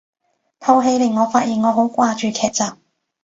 套戲令我發現我好掛住劇集